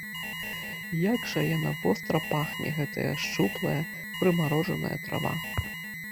І як жа яна востра пахне, гэтая шчуплая, прымарожаная трава!